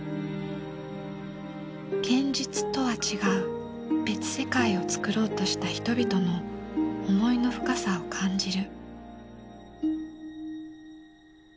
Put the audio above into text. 現実とは違う別世界を作ろうとした人々の思いの深さを感じる。